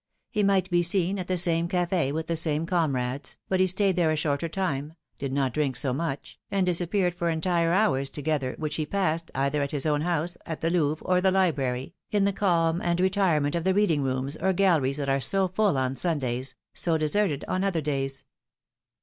He might be seen at the same cafe with the same comrades, but he stayed there a shorter time, did not drink so much, and dis appeared for entire hours together, which he passed, either at his own house, at the Louvre, or the library, in the calm and retirement of the reading rooms or galleries that are so full on Sundays, so deserted on other days.